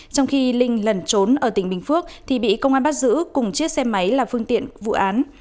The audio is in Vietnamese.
trong khi linh lẩn trốn ở tỉnh bình phước thì bị công an bắt giữ cùng chiếc xe máy là phương tiện vụ án